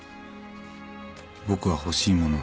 僕は欲しいもの